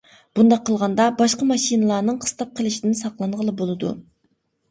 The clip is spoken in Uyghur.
بۇنداق قىلغاندا باشقا ماشىنىلارنىڭ قىستاپ قىلىشىدىن ساقلانغىلى بولىدۇ.